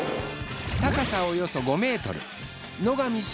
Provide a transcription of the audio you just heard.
高さおよそ５ｍ。